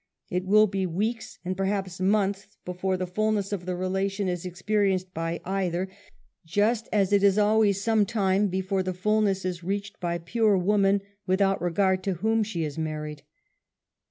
It will be weeks and perhaps months before the fullness of the relation is experienced by either, just as it is always some time I before the fullness is reached byj3ure woman without I regard to whom she has married.